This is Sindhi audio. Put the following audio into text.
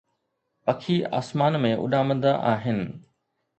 پکي آسمان ۾ اڏامندا آهن